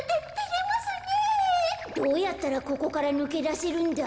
どうやったらここからぬけだせるんだ？